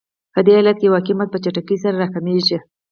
په دې حالت کې واقعي مزد په چټکۍ سره راکمېږي